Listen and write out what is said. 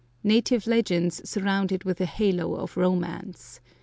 Native legends surround it with a halo of romance.